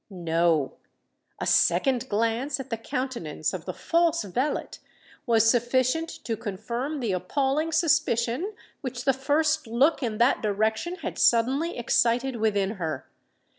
No:—a second glance at the countenance of the false valet was sufficient to confirm the appalling suspicion which the first look in that direction had suddenly excited within her.